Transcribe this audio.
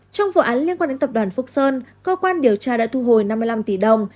trong vụ án liên quan đến tập đoàn phúc sơn cơ quan điều tra đã thu hồi năm mươi năm tỷ đồng